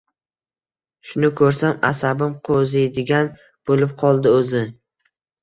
Shuni ko`rsam, asabim qo`ziydigan bo`lib qoldi o`zi